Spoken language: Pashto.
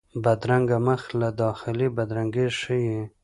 بدرنګه مخ له داخلي بدرنګي ښيي